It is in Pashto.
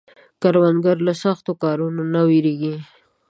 کروندګر له سختو کارونو نه نه ویریږي